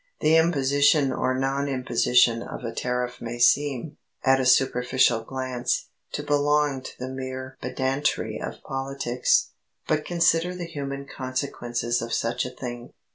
The imposition or non imposition of a tariff may seem, at a superficial glance, to belong to the mere pedantry of politics. But consider the human consequences of such a thing.